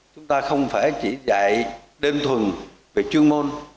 chúng ta không phải chỉ dạy đơn thuần về chuyên môn